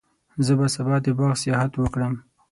زه به سبا د باغ سیاحت وکړم.